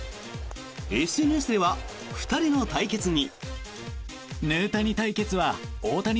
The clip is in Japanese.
ＳＮＳでは、２人の対決に。